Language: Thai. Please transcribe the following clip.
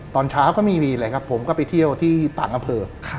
ตอนเช้าก็ไม่มีเลยครับผมก็ไปเที่ยวที่ต่างอำเภอ